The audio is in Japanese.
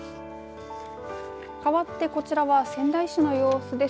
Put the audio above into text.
かわってこちらは仙台市の様子です。